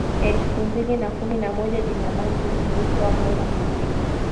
elfu mbili na kumi na moja jina langu ni zuhra mwera muziki